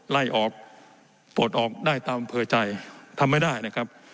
ไล่ออกปลดออกได้ตามอำเภอใจทำไม่ได้นะครับ